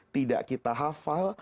tidak kita hafal